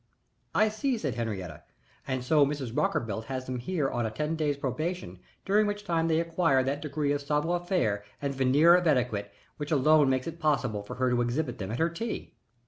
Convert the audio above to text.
"I see," said Henriette. "And so Mrs. Rockerbilt has them here on a ten days' probation during which time they acquire that degree of savoir faire and veneer of etiquette which alone makes it possible for her to exhibit them at her tea."